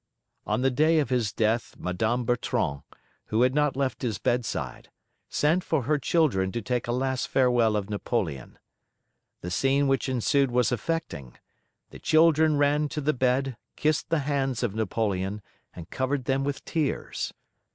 On the day of his death Madame Bertrand, who had not left his bedside, sent for her children to take a last farewell of Napoleon. The scene which ensued was affecting: the children ran to the bed, kissed the hands of Napoleon, and covered them with tears.